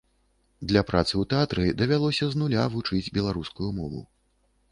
Для працы ў тэатры давялося з нуля вучыць беларускую мову.